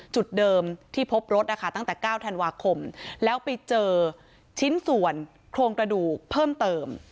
จุดเดิมที่พบรถนะคะตั้งแต่๙ธันวาคมแล้วไปเจอชิ้นส่วนโครงกระดูกเพิ่มเติม